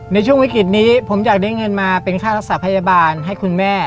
ในช่วงวิกฤตนี้ผมอยากได้เงินมาเป็นค่ารักษาพยาบาลให้คุณแม่